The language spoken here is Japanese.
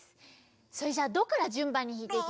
それじゃドからじゅんばんにひいていきますね。